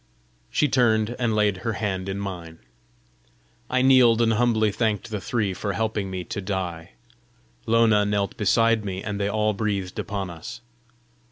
She turned and laid her hand in mine. I kneeled and humbly thanked the three for helping me to die. Lona knelt beside me, and they all breathed upon us.